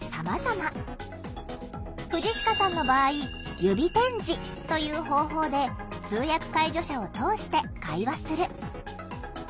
藤鹿さんの場合「指点字」という方法で通訳介助者を通して会話する。